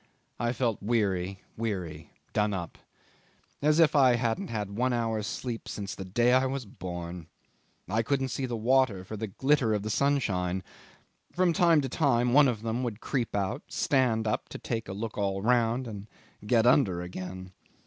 I felt weary, weary, done up, as if I hadn't had one hour's sleep since the day I was born. I couldn't see the water for the glitter of the sunshine. From time to time one of them would creep out, stand up to take a look all round, and get under again.